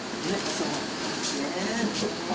そうですね。